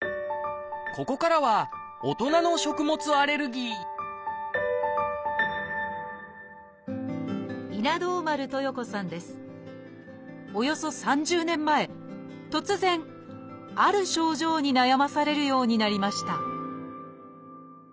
ここからはおよそ３０年前突然ある症状に悩まされるようになりました